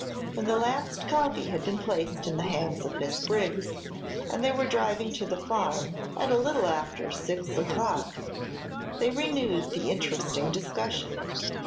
When the last copy had been placed in the hands of Miss Briggs and they were driving to the farm at a little after six o'clock they renewed the interesting discussion.